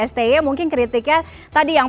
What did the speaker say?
sti mungkin kritiknya tadi yang